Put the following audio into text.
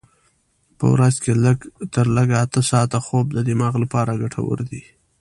په ورځ کې لږ تر لږه اته ساعته خوب د دماغ لپاره ګټور دی.